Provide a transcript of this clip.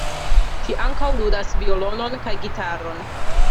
Ŝi ankaŭ ludas violonon kaj gitaron.